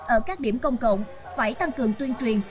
ở các điểm công cộng phải tăng cường tuyên truyền